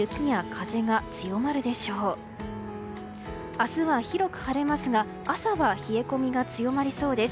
明日は広く晴れますが朝は冷え込みが強まりそうです。